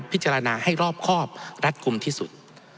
พิจารณาให้รอบครอบรัดกลุ่มที่สุด